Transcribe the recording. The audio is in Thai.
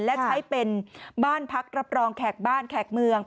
และใช้เป็นบ้านพักรับรองแขกบ้านแขกเมือง